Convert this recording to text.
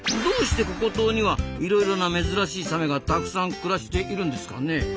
どうしてココ島にはいろいろな珍しいサメがたくさん暮らしているんですかね？